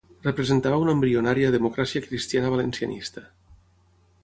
Representava una embrionària democràcia cristiana valencianista.